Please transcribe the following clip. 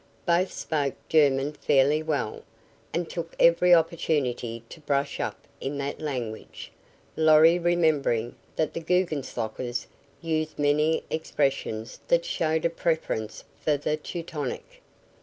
Both spoke German fairly well, and took every opportunity to brush up in that language, Lorry remembering that the Guggenslockers used many expressions that showed a preference for the Teutonic.